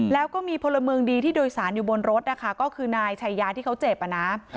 แล้วก็มีพลเมืองดีที่โดยสารอยู่บนรถนะคะก็คือนายชัยยาที่เขาเจ็บอะนะ